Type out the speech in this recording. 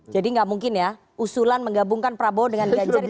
jadi gak mungkin ya usulan menggabungkan prabowo dengan ganjar itu mustahil